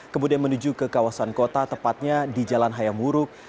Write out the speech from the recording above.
kemudian menuju ke kawasan kota tepatnya di jalan hayam wuruk